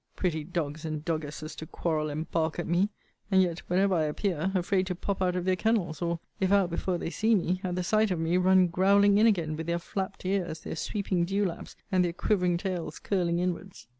Pretty dogs and doggesses to quarrel and bark at me, and yet, whenever I appear, afraid to pop out of their kennels; or, if out before they see me, at the sight of me run growling in again, with their flapt ears, their sweeping dewlaps, and their quivering tails curling inwards.